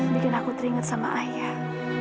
bikin aku teringat sama ayah